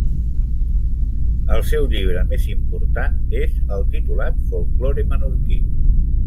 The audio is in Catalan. El seu llibre més important és el titulat Folklore menorquí.